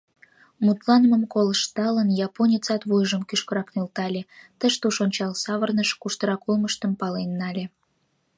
Мутланымым колышталын, японецат вуйжым кӱшкырак нӧлтале, тыш-туш ончал савырныш, куштырак улмыштым пален нале.